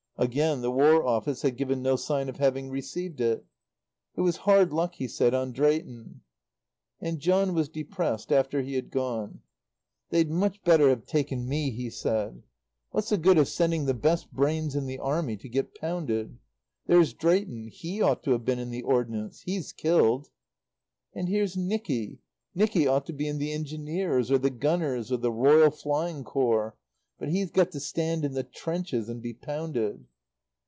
Again, the War Office had given no sign of having received it. It was hard luck, he said, on Drayton. And John was depressed after he had gone. "They'd much better have taken me," he said. "What's the good of sending the best brains in the Army to get pounded? There's Drayton. He ought to have been in the Ordnance. He's killed. "And here's Nicky. Nicky ought to be in the engineers or the gunners or the Royal Flying Corps; but he's got to stand in the trenches and be pounded.